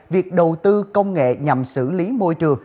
việc đầu tư công nghệ nhằm xử lý môi trường